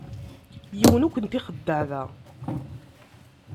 Yiwen ur kent-ixeddeε da.